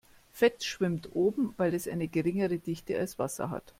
Fett schwimmt oben, weil es eine geringere Dichte als Wasser hat.